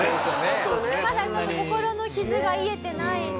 まだちょっと心の傷が癒えてない。